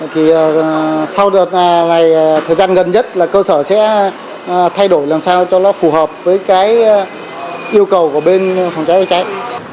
thì sau đợt thời gian gần nhất là cơ sở sẽ thay đổi làm sao cho nó phù hợp với cái yêu cầu của bên phòng cháy cháy